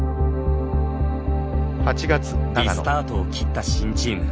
リスタートを切った新チーム。